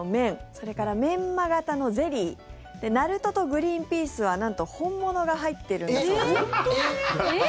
それからメンマ型のゼリーナルトとグリーンピースはなんと本物が入っているんだそうです。